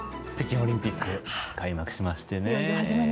北京オリンピック開幕しましたね。